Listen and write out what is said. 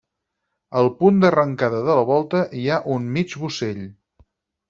Al punt d'arrencada de la volta hi ha un mig bossell.